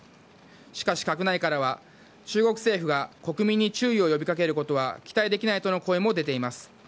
しかし、閣内からは、中国政府が国民に注意を呼びかけることは期待できないとの声も出ています。